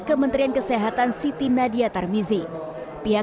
kementerian kesehatan siti nadia tarmizi pihak